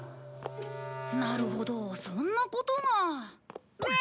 なるほどそんなことが。